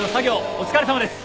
お疲れさまです。